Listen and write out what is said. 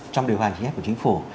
trong điều hành chính xác của chính phủ